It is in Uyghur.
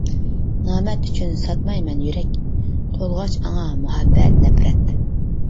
نامەرد ئۈچۈن ساتمايمەن يۈرەك، تولغاچ ئاڭا مۇھەببەت-نەپرەت.